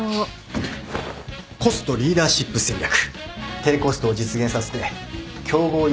コストリーダーシップ戦略低コストを実現させて競合より優位に立つ戦略だ